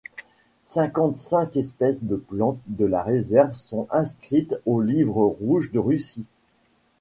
Cinquante-cinq espèces de plantes de la réserve sont inscrites au livre rouge de Russie.